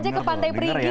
aja ke pantai perigi ya